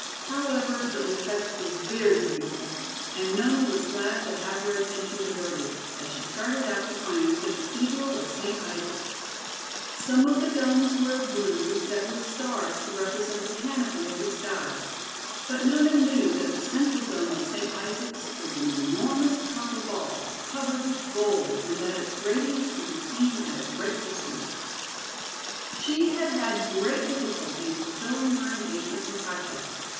However, the effect was very beautiful, and Nona was glad to have her attention diverted, as she started out to find the Cathedral of St. Isaac. Some of the domes were of blue, set with stars to represent the canopy of the sky. But Nona knew that the central dome of St. Isaac's was an enormous copper ball covered with gold and that its radiance could be seen at a great distance. She had had great difficulty in fulfilling her engagement with Katja.